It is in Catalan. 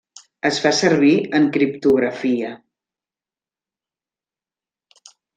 Es fa servir en criptografia.